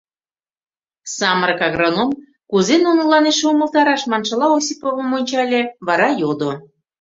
Самырык агроном «кузе нунылан эше умылтараш?» маншыла Осиповым ончале, вара йодо: